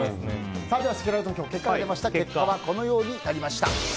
では、せきらら投票の結果はこのようになりました。